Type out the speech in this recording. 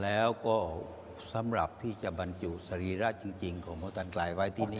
แล้วก็สำหรับที่จะบรรจุสรีระจริงของพระตันกลายไว้ที่นี่